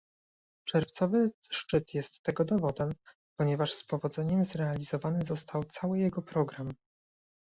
Czerwcowy szczyt jest tego dowodem, ponieważ z powodzeniem zrealizowany został cały jego program